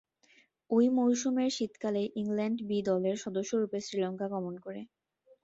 ঐ মৌসুমের শীতকালে ইংল্যান্ড বি দলের সদস্যরূপে শ্রীলঙ্কা গমন করেন।